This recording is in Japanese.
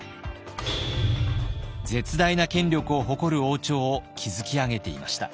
絶大な権力を誇る王朝を築き上げていました。